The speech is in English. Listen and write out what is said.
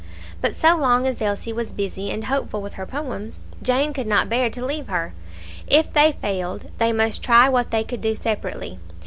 But so long as Elsie was busy and hopeful with her poems, Jane could not bear to leave her; if they failed, they must try what they could do separately.